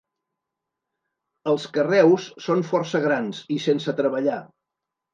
Els carreus són força grans i sense treballar.